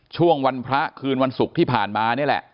ช่วงวันพระคืนวันศุกร์ที่ผ่านมานี่แหละ